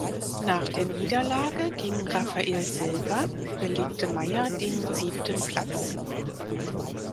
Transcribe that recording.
Nach der Niederlage gegen Rafael Silva belegte Meyer den siebten Platz.